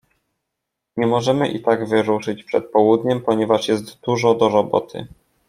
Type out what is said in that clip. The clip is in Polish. Nie możemy i tak wyruszyć przed południem, ponieważ jest dużo do roboty.